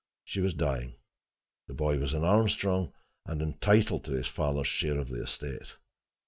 She was dying: the boy was an Armstrong, and entitled to his father's share of the estate.